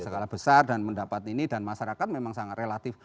skala besar dan mendapat ini dan masyarakat memang sangat relatif